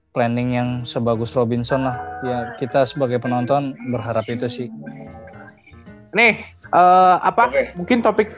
planning yang sebagus robinson lah ya kita sebagai penonton berharap itu sih nih apa mungkin topik